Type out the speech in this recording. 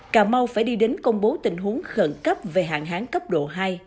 cà mau phải đi đến công bố tình huống khẩn cấp về hạn hán cấp độ hai